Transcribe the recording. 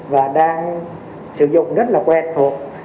và đang sử dụng rất là quen thuộc